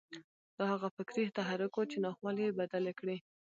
دا هغه فکري تحرک و چې ناخوالې يې بدلې کړې.